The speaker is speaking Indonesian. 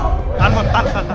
tahan mantan mantan